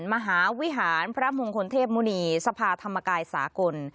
มหาวิหารพระมงคลเทพมุณีสภาธรรมกายสากล